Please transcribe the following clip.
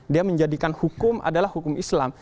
dia menjadikan hukum adalah hukum islam